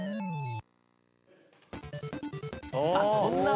あっこんな？